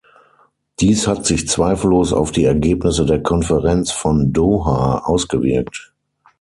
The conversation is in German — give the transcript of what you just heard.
Dies hat sich zweifellos auf die Ergebnisse der Konferenz von Doha ausgewirkt.